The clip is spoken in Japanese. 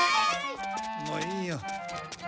もういいよ。